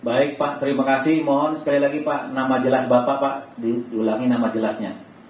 baik pak terima kasih mohon sekali lagi pak nama jelas bapak pak diulangi nama jelasnya